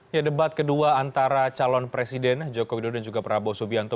ya debat kedua antara calon presiden joko widodo dan juga prabowo subianto